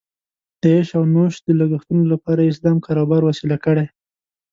د عیش او نوش د لګښتونو لپاره یې اسلام کاروبار وسیله کړې.